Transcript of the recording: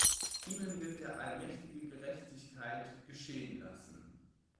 Ihnen wird der Allmächtige Gerechtigkeit geschehen lassen.